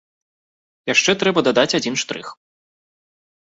Яшчэ трэба дадаць адзін штрых.